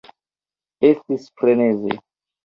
Estis freneze